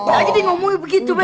dari diomuli begitu be